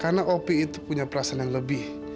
karena opi itu punya perasaan yang lebih